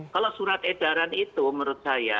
kalau surat edaran itu menurut saya